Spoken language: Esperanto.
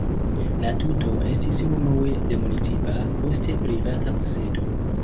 La tuto estis unue de municipa, poste privata posedo.